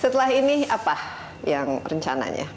setelah ini apa yang rencananya